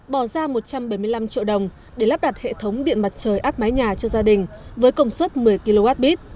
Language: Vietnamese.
bỏ ra một trăm bảy mươi năm triệu đồng để lắp đặt hệ thống điện mặt trời áp mái nhà cho gia đình với công suất một mươi kwh